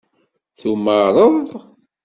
Tumared?